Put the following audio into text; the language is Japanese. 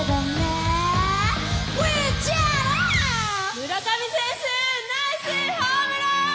村上選手ナイスホームラン！